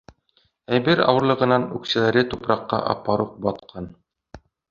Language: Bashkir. — Әйбер ауырлығынан үксәләре тупраҡҡа апаруҡ батҡан.